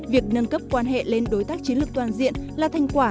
việc nâng cấp quan hệ lên đối tác chiến lược toàn diện là thành quả